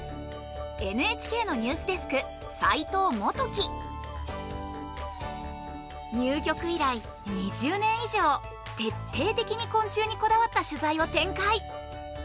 ＮＨＫのニュースデスク入局以来２０年以上徹底的に昆虫にこだわった取材を展開。